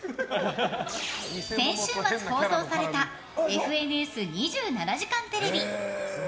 先週末、放送された「ＦＮＳ２７時間テレビ」。